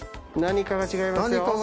何かが違いますよ。